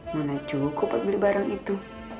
mana cukup buat beli barang itu